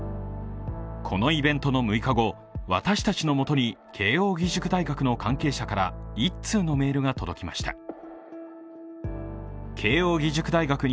このイベントの６日後、私たちのもとに慶応義塾大学の関係者から１通のメールが届きました。